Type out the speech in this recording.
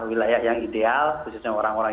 wilayah yang ideal khususnya orang orang